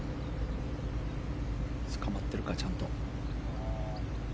つかまってるかちゃんと。